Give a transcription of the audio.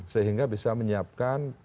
sehingga bisa menyiapkan